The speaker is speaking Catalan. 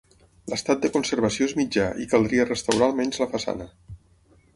L'estat de conservació és mitjà i caldria restaurar almenys la façana.